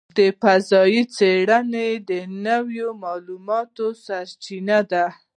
د فضاء څېړنه د نوو معلوماتو سرچینه ده.